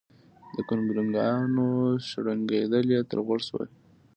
د ګونګرونګانو شړنګېدل يې تر غوږ شول